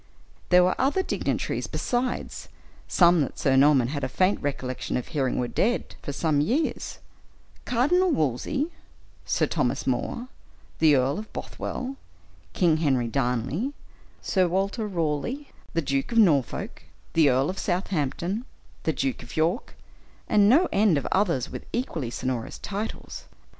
There were other dignitaries besides, some that Sir Norman had a faint recollection of hearing were dead for some years Cardinal Wolsey, Sir Thomas More, the Earl of Bothwell, King Henry Darnley, Sir Walter Raleigh, the Duke of Norfolk, the Earl of Southampton, the Duke of York, and no end of others with equally sonorous titles.